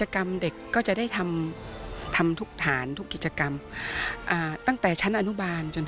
ขอบคุณครับ